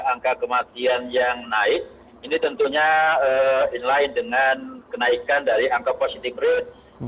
angka kematian yang naik ini tentunya in line dengan kenaikan dari angka positive rate